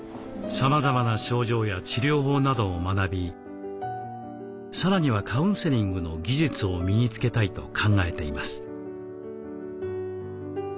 さまざまな症状や治療法などを学びさらにはカウンセリングの技術を身につけたいと考えています。